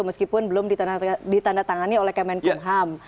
meskipun belum ditandatangani oleh kemenkumham